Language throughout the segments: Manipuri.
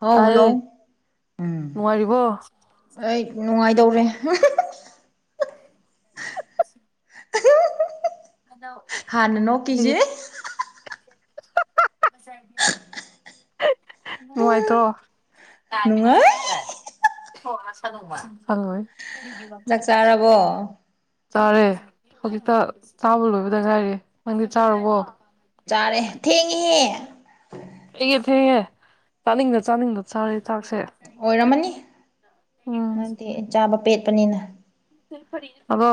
ꯍꯥꯎ ꯍꯜꯂꯣ ꯇꯥꯏꯌꯦ ꯎꯝ ꯅꯨꯡꯉꯥꯏꯔꯤꯕꯣ ꯑꯩ ꯅꯨꯡꯉꯥꯏꯗꯧꯔꯦ ꯂ ꯍꯥꯟꯅ ꯑꯗꯨ ꯅꯣꯛꯈꯤꯁꯦ ꯃꯣꯏꯠꯇ꯭ꯔꯣ ꯇꯥꯏꯃꯩ ꯂꯥꯠ ꯁꯥ ꯅꯨꯡꯉꯥꯏ ꯈꯪ ꯗꯥꯏ ꯔꯣꯪꯂꯥꯠ ꯁꯥꯅꯨ ꯃꯥ ꯑꯣꯏ ꯆꯥꯛ ꯆꯥꯔꯕꯣ ꯆꯥꯔꯦ ꯍꯧꯖꯤꯛꯇ ꯆꯥꯕ ꯂꯣꯏꯕꯗ ꯉꯥꯏꯔꯦ ꯅꯪꯗꯤ ꯆꯥꯔꯕꯣ ꯆꯥꯔꯦ ꯊꯦꯡꯉꯍꯦ ꯑꯩꯒꯤ ꯊꯦꯡꯉꯦ ꯆꯥꯅꯤꯡꯗ ꯆꯥꯅꯤꯡꯗ ꯆꯥꯔ ꯊꯥꯛꯁꯦ ꯑꯣꯏꯔꯝꯃꯅꯤ ꯅꯪꯗꯦ ꯆꯥꯕ ꯄꯦꯠꯄꯅꯤꯅ ꯑꯗꯣ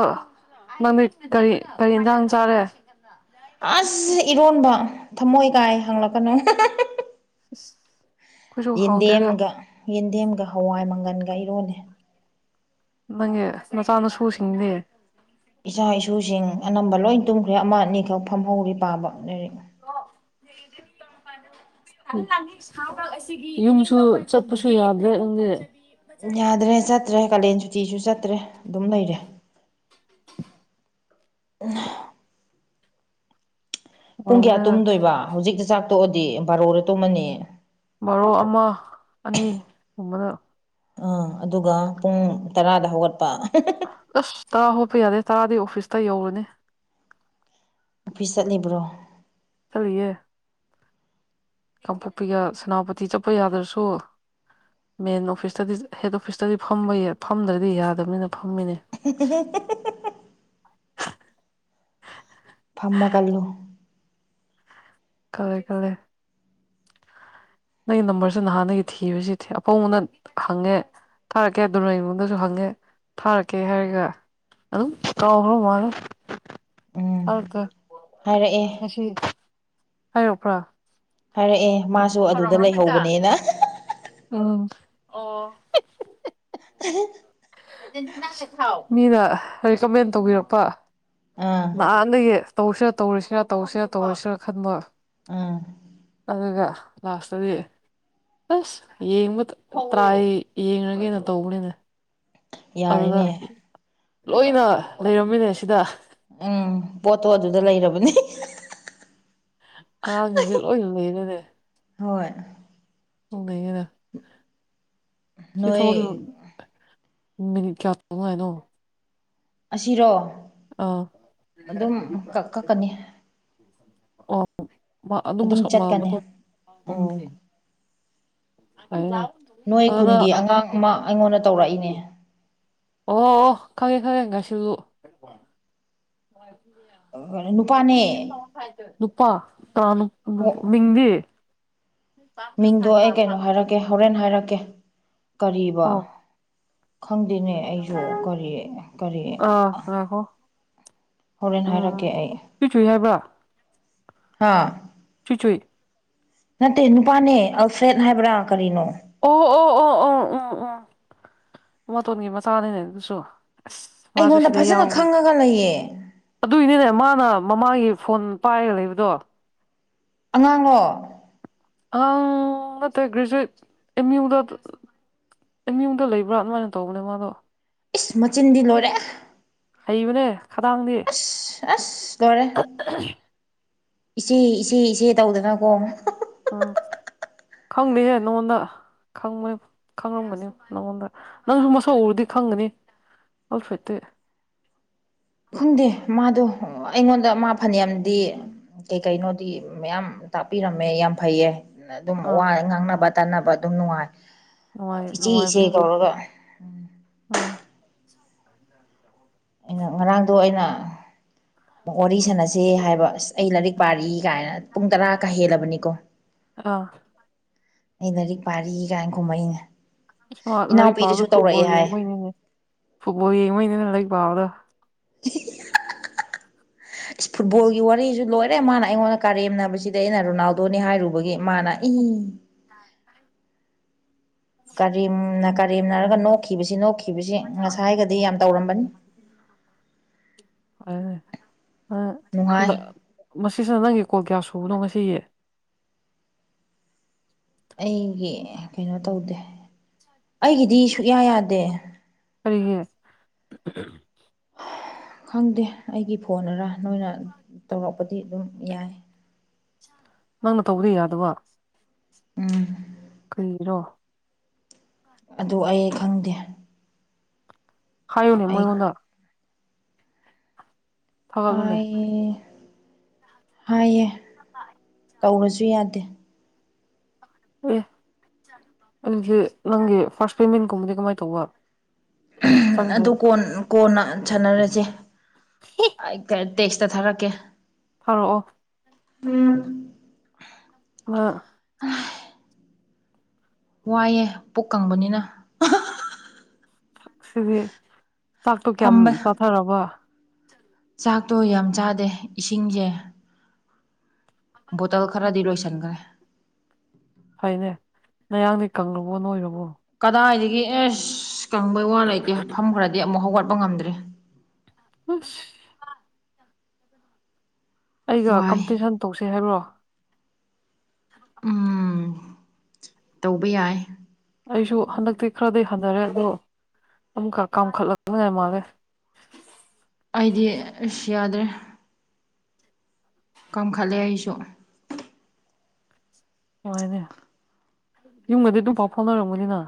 ꯃꯃꯤꯠ ꯀꯔꯤ ꯀꯔꯤ ꯏꯟꯁꯥꯡ ꯆꯥꯔꯦ ꯑꯩꯈꯣꯏꯁꯨ ꯑꯁ ꯏꯔꯣꯟꯕ ꯊꯃꯣꯏ ꯀꯥꯏ ꯍꯪꯂꯛꯀꯅꯨ ꯍꯥꯎꯇꯦꯗ ꯌꯦꯟꯗꯦꯝꯒ ꯌꯦꯟꯗꯦꯝꯒ ꯍꯋꯥꯏ ꯃꯪꯒꯜꯒ ꯏꯔꯣꯜꯂꯦ ꯅꯪꯅꯦ ꯃꯆꯥꯅꯨꯁꯨꯁꯤꯡꯗꯤ ꯏꯆꯥ ꯏꯁꯨꯁꯤꯡ ꯑꯅꯝꯕ ꯂꯣꯏ ꯇꯨꯝꯈ꯭ꯔꯦ ꯑꯃ ꯑꯅꯤꯈꯛ ꯐꯝꯍꯧꯔꯤ ꯄꯥꯕ ꯂꯥꯏꯔꯤꯛ ꯌꯨꯝꯁꯨ ꯆꯠꯄꯁꯨ ꯌꯥꯗ꯭ꯔꯦ ꯅꯪꯦ ꯌꯥꯗ꯭ꯔꯦ ꯆꯠꯇ꯭ꯔꯦ ꯀꯥꯂꯦꯟ ꯁꯨꯇꯤꯁꯨ ꯆꯠꯇ꯭ꯔꯦ ꯑꯗꯨꯝ ꯂꯩꯔꯦ ꯄꯨꯡ ꯀꯌꯥ ꯇꯨꯝꯗꯣꯏꯕ ꯍꯧꯖꯤꯛꯇꯤ ꯆꯥꯛ ꯇꯣꯛꯑꯗꯤ ꯕꯥꯔꯣꯗ ꯇꯨꯝꯃꯅꯤ ꯕꯥꯣ ꯑꯃ ꯑꯅꯤꯒꯨꯝꯕꯗ ꯑꯥ ꯑꯗꯨꯒ ꯄꯨꯡ ꯇꯔꯥꯗ ꯍꯧꯒꯠꯄ ꯑꯁ ꯇꯔꯥ ꯍꯣꯄ ꯌꯥꯗꯦ ꯇꯔꯥꯗꯤ ꯑꯣꯐꯤꯁꯇ ꯌꯧꯔꯨꯅꯦ ꯑꯣꯐꯤꯁ ꯆꯠꯂꯤꯕ꯭ꯔꯣ ꯁꯜꯦ ꯀꯥꯡꯄꯣꯛꯄꯤꯒ ꯁꯦꯅꯥꯄꯇꯤ ꯆꯠꯄ ꯌꯥꯗ꯭ꯔꯁꯨ ꯃꯦꯟ ꯑꯣꯐꯤꯁꯇꯗꯤ ꯍꯦꯠ ꯑꯣꯐꯤꯁꯇꯗꯤ ꯐꯝꯕ ꯐꯝꯗ꯭ꯔꯗꯤ ꯌꯥꯗꯕꯅꯤꯅ ꯐꯝꯃꯤꯅꯦ ꯐꯃꯒꯜꯂꯨ ꯀꯂꯦ ꯀꯂꯦ ꯅꯪꯒꯤ ꯅꯝꯕꯔꯁ ꯅꯍꯥꯟꯗꯒꯤ ꯊꯤꯕꯁꯤꯗꯤ ꯑꯄꯣꯡꯕꯅ ꯍꯪꯉꯦ ꯊꯥꯔꯛꯀꯦ ꯑꯗꯨꯅ ꯏꯃꯨꯡꯗꯁꯨ ꯍꯪꯉꯦ ꯊꯥꯔꯛꯀꯦ ꯍꯥꯏꯔꯒ ꯑꯗꯨꯝ ꯄꯥꯎꯕ꯭ꯔ ꯃꯥꯂꯦ ꯎꯝ ꯍꯗ ꯍꯥꯏꯔꯛꯑꯦ ꯉꯁꯤ ꯍꯥꯏꯔꯛꯄ꯭ꯔꯥ ꯍꯥꯏꯔꯛꯑꯦ ꯃꯥꯁꯨ ꯑꯗꯨꯗ ꯂꯩꯍꯧꯕꯅꯦꯅ ꯎꯝ ꯑꯣ ꯃꯤꯅ ꯔꯤꯀꯃꯦꯟ ꯇꯧꯕꯤꯔꯛꯄ ꯑꯥ ꯅꯍꯥꯟꯅꯌꯦ ꯇꯧꯁꯤꯔꯥ ꯇꯧꯔꯤꯁꯤꯔꯥ ꯇꯧꯁꯤꯔꯥ ꯇꯧꯔꯁꯤꯔꯥ ꯈꯟꯕ ꯎꯝ ꯑꯗꯨꯒ ꯂꯥꯁꯇꯗꯤ ꯑꯁ ꯌꯦꯡꯕ ꯇ꯭ꯔꯥꯏ ꯌꯦꯡꯉꯒꯩꯅꯣ ꯇꯧꯕꯅꯤꯅ ꯑꯗꯨꯅ ꯌꯥꯔꯦꯅꯦ ꯂꯣꯏꯅ ꯂꯩꯔꯝꯃꯤꯅꯦ ꯁꯤꯗ ꯎꯝ ꯄꯣꯠꯇꯣ ꯑꯗꯨꯗ ꯂꯩꯔꯕꯅꯤ ꯑꯉꯥꯡꯁꯦ ꯂꯣꯏ ꯂꯩꯅꯅꯦ ꯍꯣꯏ ꯎ ꯂꯩꯔ ꯁꯤ ꯅꯣꯏ ꯊꯕꯛꯁꯨ ꯃꯤꯅꯤꯠ ꯀꯌꯥ ꯇꯪꯉ ꯍꯥꯏꯅꯣ ꯑꯁꯤꯔꯣ ꯑꯥ ꯑꯗꯨꯝ ꯀꯛꯀꯅꯤ ꯑꯣ ꯑꯗꯨꯝꯕ ꯑꯗꯨꯝ ꯆꯠꯀꯅꯤ ꯑꯣ ꯎꯝ ꯍꯅ ꯅꯣꯏ ꯈꯨꯟꯒꯤ ꯑꯉꯥꯡ ꯑꯃ ꯑꯩꯉꯣꯟꯗ ꯇꯧꯔꯛꯏꯅꯦ ꯑꯣ ꯑꯣ ꯈꯪꯉꯦ ꯈꯪꯉꯦ ꯉꯥꯏꯁꯨ ꯅꯨꯄꯥꯅꯦ ꯅꯨꯄꯥ ꯇ꯭ꯔꯥꯅꯨ ꯑꯣ ꯃꯤꯡꯗꯤ ꯃꯤꯡꯗꯣ ꯑꯩ ꯀꯩꯅꯣ ꯍꯥꯏꯔꯛꯀꯦ ꯍꯣꯔꯦꯟ ꯍꯥꯏꯔꯛꯀꯦ ꯀꯔꯤꯕ ꯑꯣ ꯈꯪꯗꯦꯅꯦ ꯑꯩꯁꯨ ꯀꯔꯤ ꯀꯔꯤ ꯑꯥ ꯉꯥꯛꯈꯣ ꯍꯣꯔꯦꯟ ꯎꯝ ꯍꯥꯏꯔꯛꯀꯦ ꯑꯩ ꯁꯨ ꯁꯨꯏ ꯍꯥꯏꯕ꯭ꯔꯥ ꯍꯥꯥ ꯁꯨꯆꯏ ꯅꯠꯇꯦ ꯅꯨꯄꯥꯅꯦ ꯑꯜꯐ꯭ꯔꯦꯠ ꯍꯥꯏꯕ꯭ꯔꯥ ꯀꯔꯤꯅꯣ ꯑꯣ ꯑꯣ ꯑꯣ ꯑꯣ ꯎꯝ ꯎꯝ ꯃꯣꯇꯣꯟꯒꯤ ꯃꯆꯥꯅꯤꯅꯦ ꯑꯗꯨꯁꯨ ꯑꯁ ꯃꯥꯁꯨ ꯑꯩꯉꯣꯟꯗ ꯐꯖꯅ ꯈꯪꯉꯒ ꯂꯩꯌꯦ ꯑꯗꯨꯏꯅꯤꯅꯦ ꯃꯥꯅ ꯃꯃꯥꯒꯤ ꯐꯣꯟ ꯄꯥꯏꯔꯒ ꯂꯩꯕꯗꯣ ꯑꯉꯥꯡꯣ ꯑ ꯇ ꯭ꯔꯖꯨꯦꯠ ꯑ ꯑꯩ ꯃꯤ ꯌꯨꯡꯗ ꯂꯩꯕ꯭ꯔꯥ ꯑꯗꯨꯃꯥꯏꯅ ꯇꯧꯕꯅꯦ ꯃꯥꯗꯣ ꯏꯁ ꯃꯆꯤꯟꯗꯤ ꯂꯣꯏꯔꯦ ꯍꯥꯏꯕꯅꯦ ꯈꯗꯥꯡꯅꯤ ꯑꯁ ꯑꯁ ꯗꯔꯦ ꯏꯆꯦ ꯏꯆꯦ ꯏꯆꯦ ꯇꯧꯗꯅꯀꯣ ꯎꯝ ꯈꯪꯅꯤꯍꯦ ꯅꯉꯣꯟꯗ ꯈꯪꯕꯣꯏ ꯈꯪꯉꯝꯒꯅꯤ ꯅꯪꯉꯣꯟꯗ ꯅꯪꯁꯨ ꯃꯁꯧ ꯎꯔꯨꯗꯤ ꯈꯪꯒꯅꯤ ꯑꯣꯜꯐꯦꯠꯇ ꯈꯪꯗꯦ ꯃꯥꯗꯣ ꯑꯩꯉꯣꯟꯗ ꯃꯥ ꯐꯅꯌꯥꯝꯗꯤ ꯀꯩ ꯀꯩꯅꯣꯗꯤ ꯃꯌꯥꯝ ꯇꯥꯛꯄꯤꯔꯝꯃꯦ ꯌꯥꯝ ꯐꯩꯌꯦ ꯑꯗꯨꯝ ꯑꯥ ꯋꯥ ꯉꯥꯡꯅꯕ ꯇꯥꯟꯅꯕ ꯑꯗꯨꯝ ꯅꯨꯡꯉꯥꯏ ꯅꯨꯡꯉꯥꯏ ꯏꯆꯦ ꯏꯆꯦ ꯀꯧꯔꯒ ꯎꯝ ꯑꯥ [unintelligible] ꯑꯩꯅ ꯉꯔꯥꯡꯗꯣ ꯑꯩꯅ ꯋꯥꯔꯤ ꯁꯥꯟꯅꯁꯦ ꯍꯥꯏꯕ ꯑꯁ ꯑꯩ ꯂꯥꯏꯔꯤꯛ ꯄꯥꯔꯤ ꯀꯥꯏꯅ ꯄꯨꯡ ꯇꯔꯥꯀ ꯍꯦꯜꯂꯕꯅꯤꯀꯣ ꯑꯥ ꯑꯩ ꯂꯔꯤꯛ ꯄꯥꯔꯤ ꯀꯥꯏꯅ ꯈꯨꯝꯛ ꯏꯅꯦ ꯑ ꯂꯥꯏꯔꯤꯛ ꯄꯥꯕꯗ ꯐꯨꯠꯕꯣꯜ ꯌꯦꯡꯕꯩꯅꯤꯅꯦ ꯐꯨꯠꯕꯣꯜ ꯌꯦꯡꯕꯩꯅꯤꯅꯦ ꯂꯥꯏꯔꯤꯛ ꯄꯥꯕꯗ [unintelligible] ꯐꯨꯠꯕꯣꯜꯒꯤ ꯋꯥꯔꯤꯁꯨ ꯂꯣꯏꯔꯦ ꯃꯥꯅ ꯑꯩꯉꯣꯟꯗ ꯀꯥꯔꯦꯝꯅꯕꯁꯤꯗ ꯑꯩꯅ ꯔꯣꯅꯥꯜꯗꯣꯅꯤ ꯍꯥꯏꯔꯨꯕꯒꯤ ꯃꯥꯅ ꯏ ꯀꯔꯤꯝꯅ ꯀꯔꯤꯝꯅꯔꯒ ꯅꯣꯛꯈꯤꯕꯁꯤ ꯅꯣꯛꯈꯤꯕꯁꯤ ꯉꯁꯥꯏꯒꯗꯤ ꯌꯥꯝ ꯇꯧꯔꯝꯕꯅꯤ ꯑ ꯅꯨꯡꯉꯥꯏ [unintelligible] ꯃꯁꯤꯁꯤꯅ ꯅꯪꯒꯤ ꯀꯣꯜ ꯀꯌꯥ ꯁꯨꯕꯅꯣ ꯉꯁꯤ ꯑꯩꯒꯤ ꯀꯩꯅꯣ ꯇꯧꯗꯦ ꯑꯩꯒꯤꯗꯤ ꯁꯨꯛꯌꯥ ꯌꯥꯗꯦ ꯀꯔꯤꯒꯤ ꯈꯪꯗꯦ ꯑꯩꯒꯤ ꯐꯣꯟ ꯑꯔ ꯅꯣꯏꯅ ꯇꯧꯔꯛꯄꯗꯤ ꯑꯗꯨꯝ ꯌꯥꯏ ꯅꯪꯅ ꯇꯧꯕꯗ ꯌꯥꯗꯕ ꯎꯝ ꯀꯏꯒꯤꯔꯣ ꯑꯗꯨ ꯑꯩ ꯈꯪꯗꯦ ꯍꯥꯏꯌꯣꯅꯦ ꯑꯩ ꯃꯣꯏꯉꯣꯟꯗ ꯊꯥꯒꯠꯂꯨꯅꯦ ꯍꯥꯏꯌꯦ ꯍꯥꯏꯌꯦ [unintelligible] ꯇꯧꯔꯁꯨ ꯌꯥꯗꯦ ꯑꯦ ꯑꯗꯨꯗꯤ ꯅꯪꯒꯤ ꯐꯥꯔꯁ ꯄꯦꯃꯦꯟꯒꯨꯝꯕꯗꯤ ꯀꯃꯥꯏꯅ ꯇꯧꯕ ꯆꯪꯗ꯭ꯔꯦ ꯑꯗꯨ ꯀꯣꯟ ꯀꯣꯟꯅ ꯁꯥꯟꯅꯔꯁꯦ ꯇꯦꯛꯁꯇ ꯊꯥꯔꯛꯀꯦ ꯊꯥꯔꯛ ꯑꯣ [unintelligible] ꯍ ꯋꯥꯏꯑꯦ ꯄꯨꯛ ꯀꯪꯕꯅꯤꯅ ꯁꯤꯗꯤ ꯆꯥꯛꯇꯣ ꯀꯌꯥꯝ ꯐꯝꯕ ꯆꯥꯊꯔꯕ ꯆꯥꯛꯇꯣ ꯌꯥꯝ ꯆꯥꯗꯦ ꯏꯁꯤꯡꯁꯦ ꯕꯣꯇꯜ ꯈꯔꯗꯤ ꯂꯣꯏꯁꯤꯟꯈ꯭ꯔꯦ ꯐꯩꯅꯦ ꯅꯌꯥꯡꯗꯤ ꯀꯪꯂꯨꯕꯣ ꯅꯣꯏꯔꯕꯣ ꯀꯗꯥꯏꯗꯒꯤ ꯑꯦꯁ ꯀꯪꯕꯩ ꯋꯥ ꯂꯩꯇꯦ ꯃꯐꯝ ꯈꯔꯗꯤ ꯑꯃꯨꯛ ꯍꯧꯒꯠꯄ ꯉꯝꯗ꯭ꯔꯦ ꯎꯁ ꯑꯩꯒ ꯋꯥꯏ ꯀꯝꯄꯤꯇꯤꯁꯟ ꯇꯧꯁꯤꯦ ꯍꯥꯏꯕ꯭ꯔꯣ ꯎꯝ ꯇꯧꯕ ꯌꯥꯏ ꯑꯩꯁꯨ ꯍꯟꯗꯛꯇꯤ ꯈꯔꯗꯤꯩ ꯍꯟꯊꯔꯦ ꯑꯗꯣ ꯑꯃꯛ ꯀꯥꯝꯈꯠꯂꯛꯇꯅꯉꯥꯏ ꯃꯥꯜꯂꯦ ꯑꯩꯗꯤ ꯑꯁ ꯌꯥꯗ꯭ꯔꯦ ꯀꯝꯈꯠꯂꯦ ꯑꯩꯁꯨ ꯅꯨꯉꯥꯏꯅꯦ ꯌꯨꯝꯒꯗꯤ ꯑꯗꯨꯝ ꯄꯥꯎ ꯐꯥꯎꯅꯔꯝꯒꯅꯤꯅ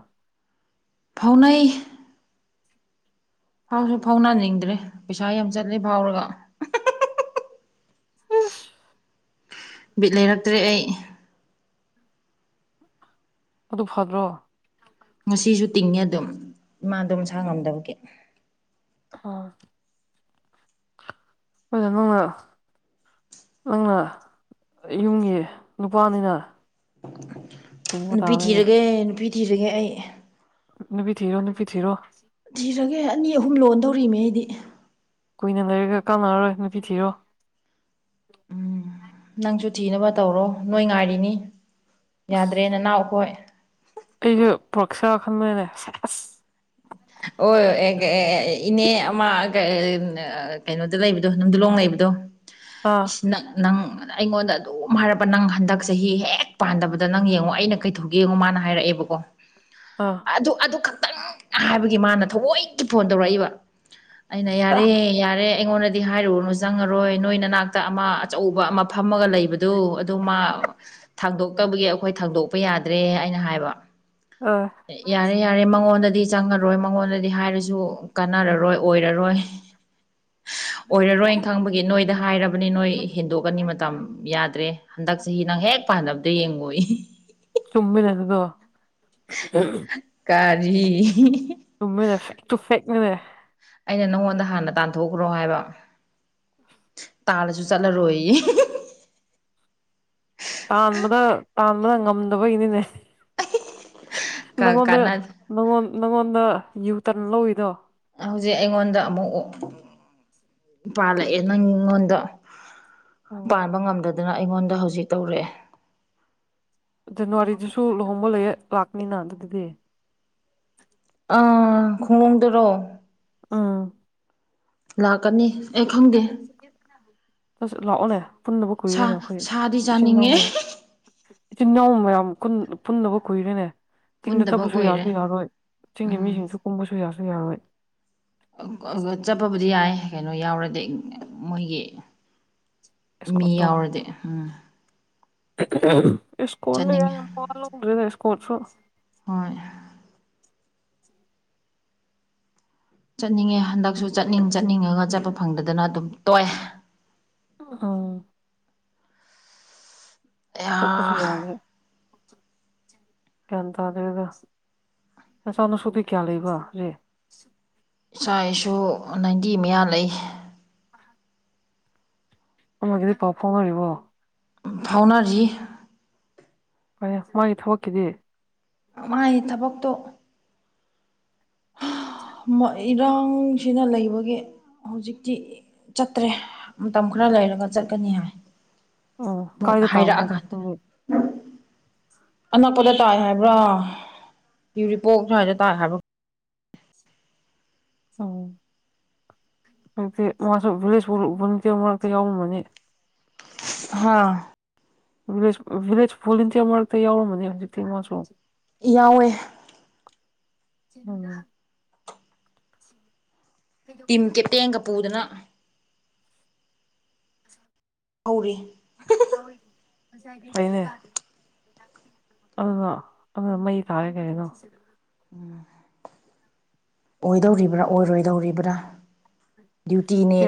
ꯐꯥꯎꯅꯩ ꯐꯥꯎꯁꯨ ꯐꯥꯎꯅꯅꯤꯡꯗ꯭ꯔꯦ ꯄꯩꯁꯥ ꯌꯥꯝ ꯆꯠꯂꯦ ꯐꯥꯎꯔꯒ ꯎꯁ ꯕꯤꯠ ꯂꯩꯔꯛꯇ꯭ꯔꯦ ꯑꯩ ꯑꯗꯨ ꯐꯗ꯭ꯔꯣ ꯉꯁꯤꯁꯨ ꯇꯤꯡꯉꯦ ꯑꯗꯨꯝ ꯏꯃꯥꯗꯣ ꯃꯁꯥ ꯉꯝꯗꯕꯒꯤ ꯑ ꯍꯣꯏ ꯅꯪꯅ ꯅꯪꯅ ꯌꯨꯝꯒꯤ ꯅꯨꯄꯥꯅꯤꯅ ꯇꯤꯡꯕ ꯅꯨꯄꯤ ꯇꯥꯕꯅꯤꯅꯦ ꯊꯤꯔꯒꯦ ꯅꯨꯄꯤ ꯊꯤꯔꯒꯦ ꯑꯩ ꯅꯨꯄꯤ ꯊꯤꯔꯣ ꯅ ꯅꯨ ꯐ ꯊꯤꯔꯣ ꯊꯤꯔꯒꯦ ꯑꯅꯤ ꯑꯍꯨꯝ ꯂꯣꯟ ꯇꯧꯔꯤꯅꯦ ꯑꯩꯗꯤ ꯀꯨꯏꯅ ꯂꯩꯔꯒ ꯀꯥꯟꯅꯔꯔꯣꯏ ꯅꯨꯄꯤ ꯊꯤꯔꯣ ꯎꯝ ꯅꯪꯁꯨ ꯊꯤꯅꯕ ꯇꯧꯔꯣ ꯅꯣꯏ ꯉꯥꯏꯔꯤꯅꯤ ꯌꯥꯗ꯭ꯔꯦ ꯅꯅꯥꯎ ꯑꯩꯈꯣꯏ ꯑꯩꯁꯨ ꯄ꯭ꯔꯛꯁꯔ ꯈꯟꯕꯅꯦ ꯑ ꯑꯁ ꯑꯣ ꯑꯦ ꯏꯅꯦ ꯑꯃꯥ ꯀꯩꯅꯣꯗ ꯂꯩꯕꯗꯣ ꯅꯨꯡ ꯂꯣꯡ ꯂꯩꯕꯗꯣ ꯑꯥ ꯅ ꯅꯪ ꯑꯩꯉꯣꯟꯗ ꯑꯗꯨꯝ ꯍꯥꯏꯔꯕꯄ ꯅꯪ ꯍꯟꯗꯛ ꯆꯍꯤ ꯍꯦꯛ ꯄꯥꯟꯗꯕꯗ ꯅꯪ ꯌꯦꯡꯉꯣ ꯑꯩꯅ ꯀꯩꯊꯣꯛ ꯌꯦꯡꯉꯨ ꯃꯥꯅ ꯍꯥꯏꯔꯛꯑꯦꯕꯀꯣ ꯑꯥ ꯑꯗꯨ ꯑꯗꯨ ꯈꯛꯇꯪ ꯍꯥꯏꯕꯒꯤ ꯃꯥꯅ ꯊꯑꯣꯣꯏꯒꯤ ꯐꯣꯟ ꯇꯧꯔꯛꯏꯕ ꯑꯩꯅ ꯌꯥꯔꯦ ꯌꯥꯔꯦ ꯑꯩꯉꯣꯟꯗꯗꯤ ꯍꯥꯏꯔꯨꯔꯅꯨ ꯆꯪꯉꯔꯣꯏ ꯅꯣꯏ ꯅꯅꯥꯛꯇ ꯑꯃ ꯑꯆꯧꯕ ꯑꯃ ꯐꯝꯃꯒ ꯂꯩꯕꯗꯨ ꯑꯗꯨ ꯃꯥ ꯊꯥꯡꯗꯣꯛꯇꯕꯒꯤ ꯑꯩꯈꯣꯏ ꯊꯥꯡꯗꯣꯛꯄ ꯌꯥꯗ꯭ꯔꯦ ꯑꯅ ꯍꯥꯏꯕ ꯑꯥ ꯌꯥꯔꯦ ꯃꯉꯣꯟꯗꯗꯤ ꯆꯪꯉꯔꯣꯏ ꯃꯉꯣꯟꯗ ꯍꯥꯏꯔ ꯀꯣꯏꯣꯏꯣꯏ ꯈ ꯍꯥꯏ ꯕꯅꯤ ꯅꯣꯏ ꯍꯦꯟꯗꯣꯛꯑꯅꯤ ꯃꯇꯝ ꯌꯥꯗ꯭ꯔꯦ ꯍꯟꯗꯛ ꯆꯍꯤ ꯅꯪ ꯍꯦꯛ ꯄꯥꯅꯕꯗ ꯌꯦꯡꯉꯨꯏ ꯆꯨꯝꯃꯤꯟ ꯑꯗꯨ ꯑꯗꯨ ꯀꯥꯔꯤ ꯇꯃꯦꯅꯦ ꯐꯦꯛ ꯇꯨ ꯐꯦꯛꯅꯦꯅꯦ ꯑꯩꯅ ꯅꯪꯉꯣꯟꯗ ꯍꯥꯟꯅ ꯇꯥꯟꯊꯣꯛꯈ꯭ꯔꯣ ꯍꯥꯏꯕ ꯇꯥꯔꯁꯨ ꯆꯂ ꯔꯣꯍꯤ ꯇꯥꯟꯕꯗ ꯇꯥꯟꯕꯗ ꯉꯝꯗꯕꯒꯤꯅꯤꯅꯦ ꯅꯉꯣꯟꯗ ꯀꯥꯟꯅ ꯅꯪꯉꯣꯟ ꯅꯪꯉꯣꯟꯗ ꯌꯨꯇꯅ ꯂꯧꯏꯗꯣ ꯍꯧꯖꯤꯛ ꯑꯩꯉꯣꯟꯗ ꯑꯃꯨꯛ ꯄꯥꯜꯂꯛꯑꯦ ꯅꯪ ꯑꯩꯉꯣꯟꯗ ꯄꯥꯟꯕ ꯉꯝꯗꯗꯅ ꯑꯩꯉꯣꯟꯗ ꯍꯧꯖꯤꯛ ꯇꯧꯔꯛꯑꯦ ꯖꯅꯋꯥꯔꯤꯗꯨꯁꯨ ꯂꯨꯍꯣꯡꯕ ꯂꯩꯌꯦ ꯂꯥꯛꯅꯤꯅ ꯑꯗꯨꯗꯤ ꯑꯥ ꯈꯣꯡꯡꯂꯣꯝꯗꯔꯣ ꯑꯥ ꯂꯥꯛꯀꯅꯤ ꯑꯩ ꯈꯪꯗꯦ ꯑꯁ ꯂꯥꯛꯑꯣꯅꯦ ꯄꯨꯟꯅꯕꯨ ꯁꯥ ꯀꯨꯏꯔꯦꯅꯦ ꯑꯩꯈꯣꯏ ꯁꯥꯗꯤ ꯏꯆꯤꯟ ꯏꯅꯥꯎ ꯆꯥꯅꯤꯡꯉꯦ ꯃꯌꯥꯝ ꯏꯆꯦ ꯏꯅꯥꯎ ꯃꯌꯥꯝ ꯄꯨꯟꯅꯕ ꯀꯨꯏꯔꯦꯅꯦ ꯆꯤꯡꯗ ꯄꯨꯟꯗꯕ ꯇꯞꯄꯁꯨ ꯀꯨꯏꯔꯦ ꯌꯥꯁꯨ ꯌꯥꯔꯣꯏ ꯆꯤꯡꯒꯤ ꯎꯝ ꯃꯤꯁꯤꯡꯁꯨ ꯀꯨꯝꯕꯁꯨ ꯌꯥꯁꯨ ꯌꯥꯔꯣꯏ ꯆꯠꯄꯕꯨꯗꯤ ꯌꯥꯏ ꯀꯩꯅꯣ ꯌꯥꯎꯔꯗꯤ ꯃꯣꯏꯒꯤ ꯃꯤ ꯏꯁꯀꯣꯔꯠꯇꯣ ꯌꯥꯎꯔꯗꯤ ꯎꯝ ꯏꯁꯀꯣꯜ ꯆꯠꯅꯤꯡꯉꯦ ꯌꯥꯜꯗꯗꯀꯣꯠꯁꯨ ꯍꯣꯏ ꯆꯠꯅꯤꯡꯉꯦ ꯍꯟꯗꯛꯁꯨ ꯆꯠꯅꯤꯡ ꯆꯠꯅꯤꯡꯉꯒ ꯆꯠꯄ ꯐꯪꯗꯗꯅ ꯑꯗꯨꯝ ꯇꯣꯛꯑꯦ ꯑ ꯑꯌꯥ ꯆ ꯄꯨꯁꯨ ꯌꯥꯒꯦ ꯒ꯭ꯌꯥꯟ ꯇꯥꯗꯦꯗ ꯅꯆꯥꯅꯁꯨꯕꯤ ꯀꯌꯥ ꯂꯩꯕ ꯍꯧꯖꯤꯦ ꯏꯆꯥ ꯏꯁꯨ ꯅꯥꯏꯟꯇꯤ ꯃꯌꯥ ꯂꯩ ꯑꯃꯒꯤꯒꯗꯤ ꯄꯥꯎ ꯐꯥꯎꯅꯔꯤꯕꯣ ꯐꯥꯎꯅꯔꯤ ꯐꯔ ꯃꯥꯒꯤ ꯊꯕꯛꯀꯤꯗꯤ ꯃꯥꯥꯏ ꯊꯕꯛꯇꯣ ꯏꯔꯥꯡꯁꯤꯅ ꯂꯩꯕꯒꯤ ꯍꯧꯖꯤꯛꯇꯤ ꯆꯠꯇ꯭ꯔꯦ ꯃꯇꯝ ꯈꯔ ꯂꯩꯔꯒ ꯆꯠꯀꯅꯤ ꯍꯥꯏ ꯎꯝ ꯍꯣꯏ ꯀꯥꯏꯗ ꯇꯥꯕꯅꯣ ꯍꯥꯏꯔꯛꯑꯀꯥꯟꯗ ꯑꯣꯄꯣꯔꯆꯨꯅꯤꯇꯤ ꯑꯅꯛꯄꯗ ꯇꯥꯏ ꯍꯥꯏꯕ꯭ꯔꯥ ꯌꯎꯔꯤꯄꯣꯛ ꯁ꯭ꯋꯥꯏꯗ ꯇꯥꯏ ꯍꯥꯏꯕ꯭ꯔꯥ ꯑ ꯍꯧꯖꯤꯛꯇꯗꯤ ꯃꯥꯁꯨ ꯚꯤꯂꯦꯖ ꯄꯨꯕ ꯅꯠꯇ ꯃꯔꯛꯇ ꯌꯥꯎꯔꯝꯃꯅꯤ [inaudible] ꯍꯥ ꯕꯤꯂꯦꯖ ꯕꯤꯂꯦꯖ ꯐꯣꯂꯤꯟꯁꯦ ꯃꯥꯇ ꯌꯥꯎꯔꯣ ꯃꯅꯤ ꯍꯧꯖꯤꯛꯇꯤꯁꯨ [inaudible] ꯌꯥꯎꯋꯦ ꯎꯝ ꯇꯤꯝ ꯀꯦꯞꯇꯦꯟꯒ ꯄꯨꯗꯅ ꯍꯧꯔꯤ ꯍꯣꯏ ꯅꯦ ꯑꯗꯨꯗꯣ ꯑꯗꯨ ꯃꯩ ꯇꯥꯔꯦ ꯀꯩꯅꯣ ꯑꯣꯏꯗꯧꯔꯤꯕ꯭ꯔꯥ ꯑꯣꯏꯔꯣꯏꯗꯧꯔꯤꯕ꯭ꯔꯥ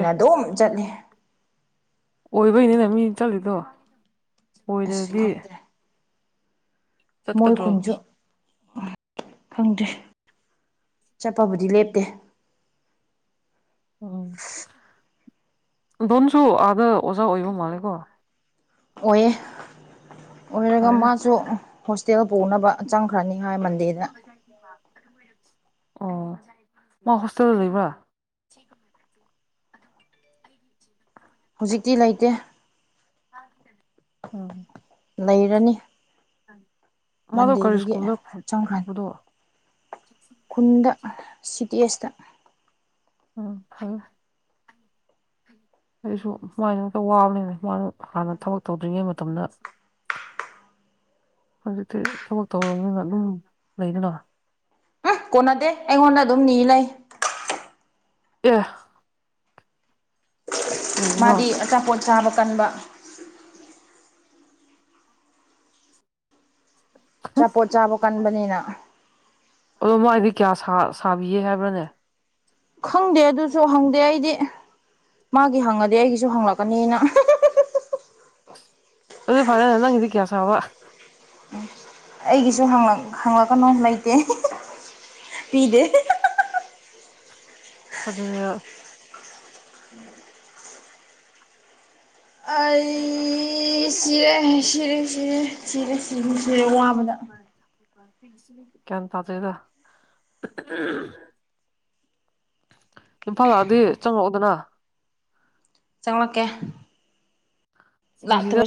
ꯑꯦ ꯑꯗꯨꯝ ꯆꯠꯂꯤ ꯑꯣꯏꯕꯩꯅꯤꯅ ꯃꯤ ꯆꯠꯂꯤꯗꯣ ꯑꯁ ꯑꯣꯏꯗ꯭ꯔꯗꯤ ꯈꯪꯗ꯭ꯔꯦ ꯃꯣꯏ ꯆꯠꯀꯗ꯭ꯔꯣ ꯈꯨꯟꯁꯨ ꯈꯪꯗ꯭ꯔꯦ ꯆꯠꯄꯕꯨꯗꯤ ꯂꯦꯞꯇꯦ ꯎꯝ ꯑꯗꯨꯝꯁꯨ ꯑꯥꯗ ꯑꯣꯖꯥ ꯑꯣꯏꯕ ꯃꯥꯜꯂꯦꯀꯣ ꯑꯣꯏꯌꯦ ꯑꯣꯏꯔꯒ ꯐꯔꯦ ꯃꯥꯁꯨ ꯍꯣꯁꯇꯦꯜ ꯄꯨꯅꯕ ꯆꯪꯈ꯭ꯔꯅꯤ ꯍꯥꯏ ꯃꯟꯗꯦꯗ ꯑꯣ ꯃꯥ ꯍꯣꯁꯇꯦꯜꯗ ꯂꯩꯕꯔꯥ ꯊ [unintelligible] ꯍꯧꯖꯤꯛꯇꯤ ꯂꯩꯇꯦ ꯑꯣ ꯂꯩꯔꯅꯤ ꯃꯥꯗꯣ ꯀꯔꯤ ꯃꯟꯗꯦꯗꯒꯤ ꯁ꯭ꯀꯨꯜꯗ ꯆꯡꯈꯔꯅꯤ ꯄꯨꯕꯗꯣ ꯈꯨꯟꯗ ꯁꯤꯇꯤꯁꯇ ꯎꯝ ꯐꯩꯌꯦ ꯑꯩꯁꯨ ꯃꯥꯏꯅ ꯑꯝꯇ ꯋꯥꯕꯅꯤꯅ ꯃꯥꯅ ꯍꯥꯟꯅ ꯊꯕꯛ ꯇꯧꯗ꯭ꯔꯤꯉꯩ ꯃꯇꯝꯗ ꯍꯧꯖꯤꯛꯇꯤ ꯊꯕꯛ ꯇꯧꯔꯕꯅꯤꯅ ꯑꯗꯨꯝ ꯂꯩꯗꯅ ꯎꯝ ꯀꯣꯟꯅꯗꯦ ꯑꯩꯉꯣꯟꯗ ꯑꯗꯨꯝ ꯅꯤ ꯂꯩ ꯑꯦ ꯀꯔꯤꯒꯤꯅꯣ ꯃꯥꯗꯤ ꯑꯆꯥꯄꯣꯠ ꯆꯥꯕ ꯀꯟꯕ ꯑꯆꯥꯄꯣꯠ ꯆꯥꯕ ꯀꯟꯕꯅꯤꯅ ꯑꯗꯣ ꯃꯥꯒꯤꯗꯤ ꯀꯌꯥ ꯁꯥꯕꯤꯌꯦ ꯍꯥꯏꯕ꯭ꯔꯅꯦ ꯈꯪꯗꯦ ꯑꯗꯨꯁꯨ ꯍꯪꯗꯦ ꯑꯩꯗꯤ ꯃꯥꯒꯤ ꯍꯪꯉꯗꯤ ꯑꯩꯒꯤꯁꯨ ꯍꯪꯂꯛꯀꯅꯤꯅ ꯑꯗꯨ ꯐꯥꯔꯦꯅꯦ ꯅꯪꯒꯤꯗꯤ ꯀꯌꯥꯁꯥꯕ ꯑꯩꯒꯤꯁꯨ ꯍꯪꯂꯛꯀꯅꯣ ꯂꯩꯇꯦ ꯄꯤꯗꯦ ꯑꯗꯨꯅꯦꯕꯥ ꯑꯩ ꯁꯤꯔꯦ ꯁꯤꯔꯦ ꯁꯤꯔꯦ ꯁꯤꯔꯦ ꯁꯤꯔꯦ ꯁꯤꯔꯦ ꯋꯥꯕꯗ ꯒꯌ꯭ꯥꯟ ꯇꯥꯗꯦꯗꯥ ꯏꯝꯐꯥꯜ ꯂꯥꯛꯑꯗꯤ ꯆꯪꯉꯛꯎꯗꯅ ꯆꯪꯂꯛꯀꯦ ꯂꯥꯛꯇꯕꯁꯨ ꯃꯨꯖꯤꯗ